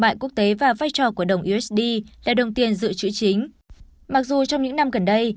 mại quốc tế và vai trò của đồng usd là đồng tiền dự trữ chính mặc dù trong những năm gần đây